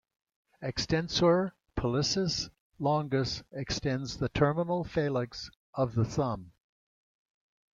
Extensor pollicis longus extends the terminal phalanx of the thumb.